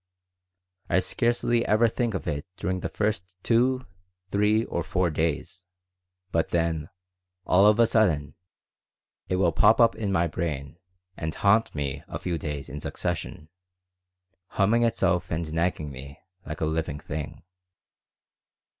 I scarcely ever think of it during the first two, three, or four days, but then, all of a sudden, it will pop up in my brain and haunt me a few days in succession, humming itself and nagging me like a living thing.